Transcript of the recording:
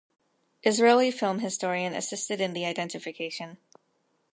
Israeli film historian assisted in the identification.